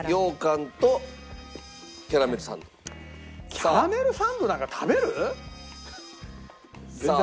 キャラメルサンドなんか食べる？さあ。